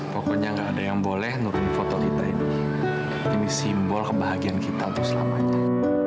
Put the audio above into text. pokoknya nggak ada yang boleh nurun foto kita ini simbol kebahagiaan kita untuk selamanya